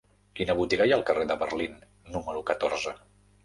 Quina botiga hi ha al carrer de Berlín número catorze?